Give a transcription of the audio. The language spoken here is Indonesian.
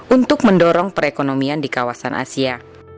untuk mendorong perekonomian di kawasan asia